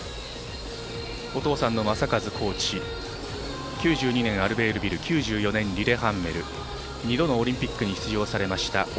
お父さんの正和コーチ９２年アルベールビル、リレハンメル２度のオリンピックに出場されました